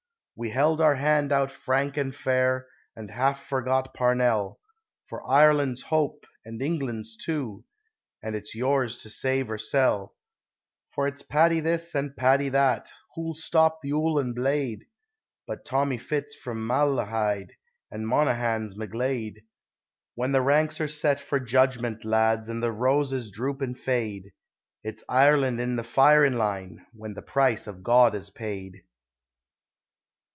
We held our hand out frank and fair, and half forgot Parnell, For Ireland's hope and England's too and it's yours to save or sell. For it's Paddy this, and Paddy that, "Who'll stop the Uhlan blade?" But Tommy Fitz from Malahide, and Monaghan's McGlade, When the ranks are set for judgment, lads, and the roses droop and fade, It's "Ireland in the firin' line!" when the price of God is paid.